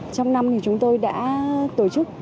trong năm chúng tôi đã tổ chức